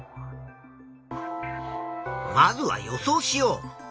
まずは予想しよう。